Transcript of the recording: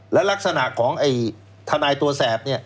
และลักษณะของทานายตัวแสบ